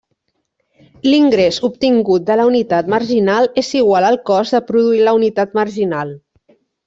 L'ingrés obtingut de la unitat marginal és igual al cost de produir la unitat marginal.